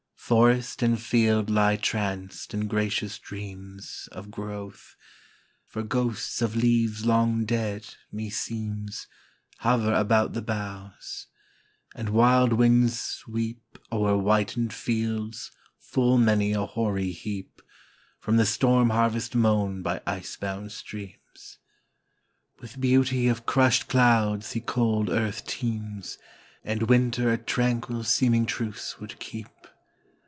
Forest and field lie tranced in gracious dreams Of growth, for ghosts of leaves long dead, me seems, Hover about the boughs; and wild winds sweep O'er whitened fields full many a hoary heap From the storm harvest mown by ice bound streams! With beauty of crushed clouds the cold earth teems, And winter a tranquil seeming truce would keep.